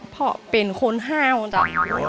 เพราะเป็นคนห้าวจ้ะ